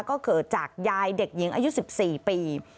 ก็เกิดจากยายเด็กหญิงอายุ๑๔ปี